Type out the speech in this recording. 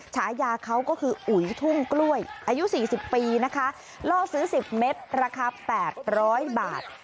ชายาเขาก็คืออุ๋ยทุ่งกล้วยอายุสี่สิบปีนะคะล่อซื้อสิบเมตรราคาแปดร้อยบาท